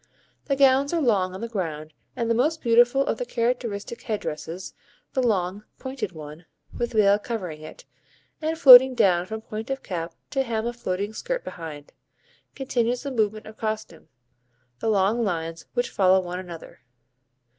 The gowns are long on the ground, and the most beautiful of the characteristic head dresses the long, pointed one, with veil covering it, and floating down from point of cap to hem of flowing skirt behind, continues the movement of costume the long lines which follow one another.